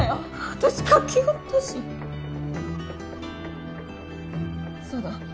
私駆け寄ったしそうだ